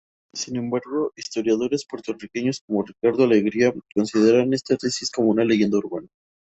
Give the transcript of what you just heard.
Sin embargo, historiadores puertorriqueños como Ricardo Alegría consideran esta tesis como una leyenda urbana.